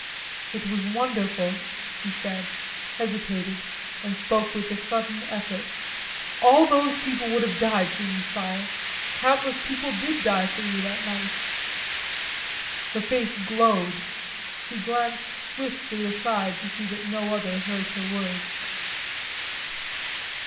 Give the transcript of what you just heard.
"It was wonderful," she said, hesitated, and spoke with a sudden effort. "All those people would have died for you, Sire. Countless people did die for you that night." Her face glowed. She glanced swiftly aside to see that no other heard her words.